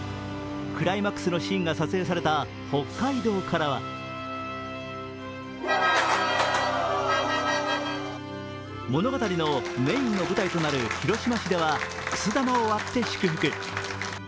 クライマックスのシーンが撮影された北海道からは物語のメインの舞台となる広島市ではくす玉を割って祝福。